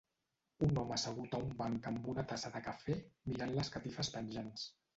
Un home assegut a un banc amb una tassa de cafè mirant les catifes penjants.